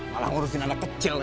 malah ngurusin anak kecil lagi ah